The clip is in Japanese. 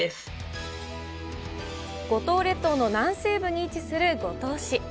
五島列島の南西部に位置する五島市。